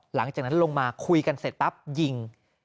หลังจากนั้นลงมาคุยกันเสร็จปั๊บยิง